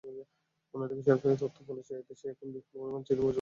অন্যদিকে সরকারি তথ্যও বলছে, দেশে এখন বিপুল পরিমাণ চিনির মজুত আছে।